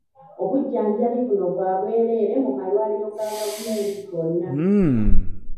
Obujjanjabi buno bwa bwereere mu malwaliro ga gavumenti gonna.